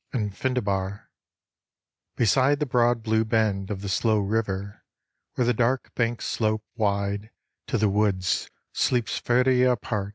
'^ And Findebar, " Beside the broad blue bend Of the slow river where the dark banks slope Wide to the woods sleeps Ferdia apart.